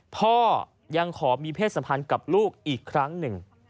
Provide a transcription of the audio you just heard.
พ่อยังขอมีเพศสัมพันธ์กับลูกอีกครั้งหนึ่ง